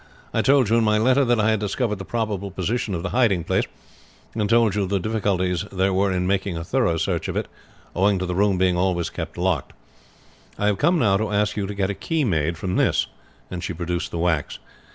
"I told you in my letter that I had discovered the probable position of the hiding place, and told you of the difficulties there were in making a thorough search for it owing to the room being always kept locked. I have come now to ask you to get a key made from this," and she produced the wax.